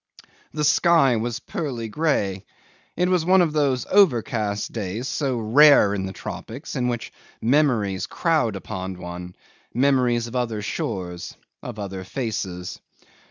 The sky was pearly grey. It was one of those overcast days so rare in the tropics, in which memories crowd upon one, memories of other shores, of other faces.